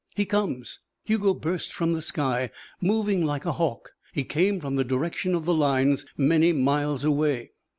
"He comes!" Hugo burst from the sky, moving like a hawk. He came from the direction of the lines, many miles away.